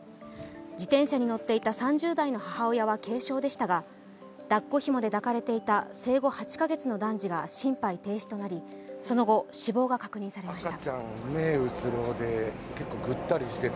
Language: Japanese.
自転車に乗っていた３０代の母親は軽傷でしたがだっこひもで抱かれていた生後８カ月の男児が心肺停止となりその後、死亡が確認されました。